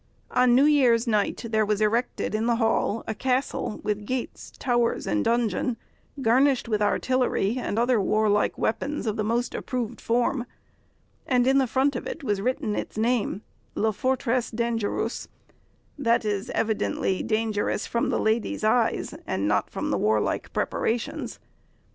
On New Year's Night, there was erected in the hall, a castle, with gates, towers, and dungeon, garnished with artillery, and other warlike weapons of the most approved form; and in the front of it was written its name, "Le Fortresse dangerus," that is evidently, dangerous from the ladies' eyes, and not from the warlike preparations.